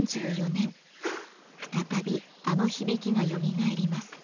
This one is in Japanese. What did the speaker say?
再びあの響きがよみがえります。